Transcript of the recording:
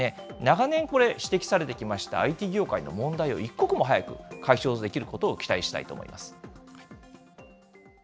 それだけにですね、長年、これ、指摘されてきましたＩＴ業界の問題を、一刻も早く解消できることを期待したいと思います。